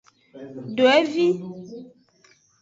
Dwevi.